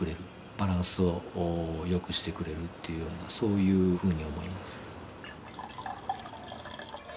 バランスをよくしてくれるというふうなそういうふうに思います。